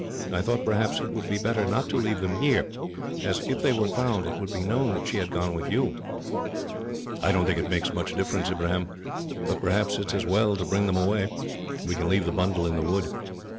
I thought, perhaps, it would be better not to leave them here, as, if they were found, it would be known that she had gone with you." "I don't think it makes much difference, Ibrahim, but perhaps it is as well to bring them away. We can leave the bundle in the wood.